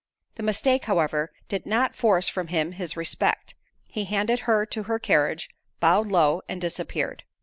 The mistake, however, did not force from him his respect: he handed her to her carriage, bowed low, and disappeared.